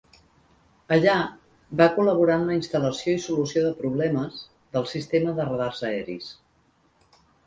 Allà, va col·laborar en la instal·lació i solució de problemes del sistema de radars aeris.